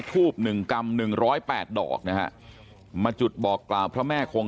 ทูบหนึ่งกรัมหนึ่งร้อยแปดดอกนะฮะมาจุดบอกกล่าวพระแม่คง